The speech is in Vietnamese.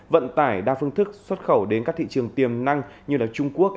vận tải đa phương thức xuất khẩu đến các thị trường tiềm năng như trung quốc